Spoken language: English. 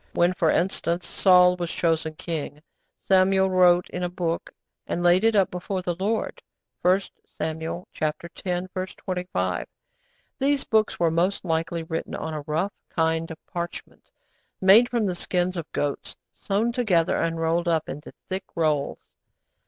When, for instance, Saul was chosen king, Samuel 'wrote in a book and laid it up before the Lord.' (1 Samuel x. 25.) These books were most likely written on a rough kind of parchment, made from the skins of goats, sewn together, and rolled up into thick rolls.